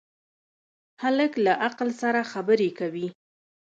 هلک له عقل سره خبرې کوي.